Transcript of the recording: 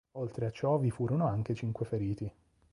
Oltre a ciò vi furono anche cinque feriti.